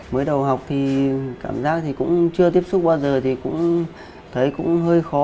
mới đầu học thì cảm giác thì cũng chưa tiếp xúc bao giờ thì cũng thấy cũng hơi khó